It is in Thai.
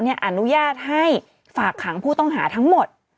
อนุญาตให้ฝากขังผู้ต้องหาทั้งหมด